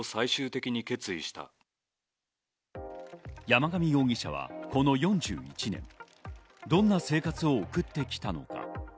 山上容疑者はこの４１年、どんな生活を送ってきたのか。